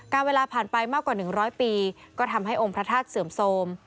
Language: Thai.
เวลาผ่านไปมากกว่า๑๐๐ปีก็ทำให้องค์พระธาตุเสื่อมโทรม